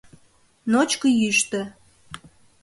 Ночко йӱштӧ.